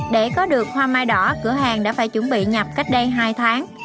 để có được hoa mai đỏ cửa hàng đã phải chuẩn bị nhập cách đây hai tháng